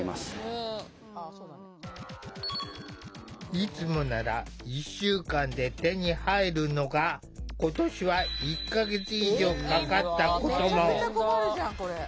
いつもなら１週間で手に入るのが今年は１か月以上かかったことも。